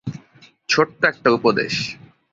ছোট্ট একটা উপদেশ।